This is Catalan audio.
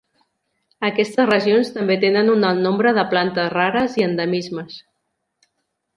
Aquestes regions també tenen un alt nombre de plantes rares i endemismes.